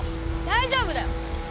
大丈夫だよ！